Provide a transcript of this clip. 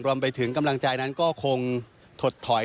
รวมไปถึงกำลังใจนั้นก็คงถดถอย